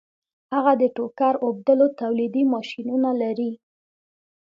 هغه د ټوکر اوبدلو تولیدي ماشینونه لري